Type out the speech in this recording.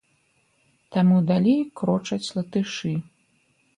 Таму далей крочаць латышы.